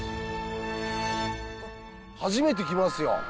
初めて来ますよ。